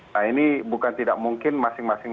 nah ini bukan tidak mungkin masing masing